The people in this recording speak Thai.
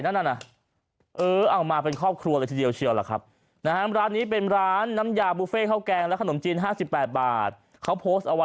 นั่นเออออกมาเป็นครอบครัวเลยทีเดียว